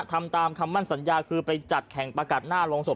ทำตามคำมั่นสัญญาคือไปจัดแข่งประกัดหน้าโรงศพ